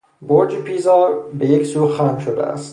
برج پیزا به یک سو خم شده است.